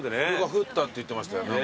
降ったって言ってましたよ。